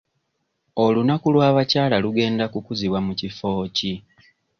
Olunaku lw'abakyala lugenda kukuzibwa mu kifo ki?